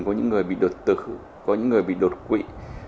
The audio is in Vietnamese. có những người bị đột tử có những người bị đột quỵ